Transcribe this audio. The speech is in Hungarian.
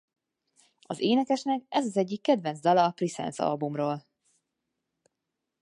Az énekesnek ez az egyik kedvenc dala a Presence albumról.